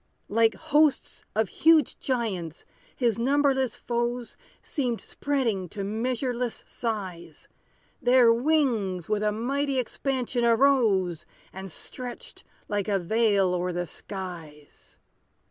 Like hosts of huge giants, his numberless foes Seemed spreading to measureless size: Their wings with a mighty expansion arose, And stretched like a veil o'er the skies.